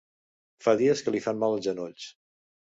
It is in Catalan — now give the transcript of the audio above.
Fa dies que li fan mal els genolls.